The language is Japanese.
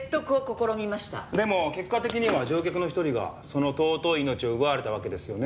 でも結果的には乗客の一人がその尊い命を奪われたわけですよね？